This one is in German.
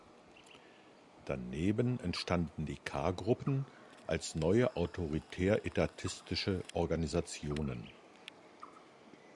Daneben entstanden die K-Gruppen als neue autoritär-etatistische Organisationen.